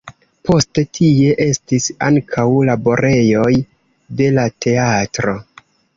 Poste tie estis ankaŭ laborejoj de la teatro.